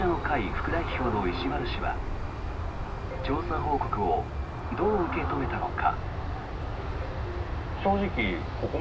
副代表の石丸氏は調査報告をどう受け止めたのか。